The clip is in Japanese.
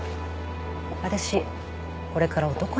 私これから男に会うの。